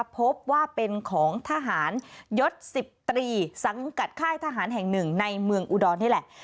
พบว่าเป็นของทหารยศ๑๐ตรีสังกัดค่ายทหารแห่งหนึ่งในเมืองอุดรนี่แหละ